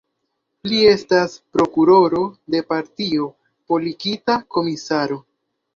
Li estis prokuroro de partio, politika komisaro.